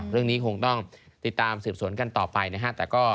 เรื่องนี้คงต้องติดตามสืบสวนกันต่อไปนะฮะ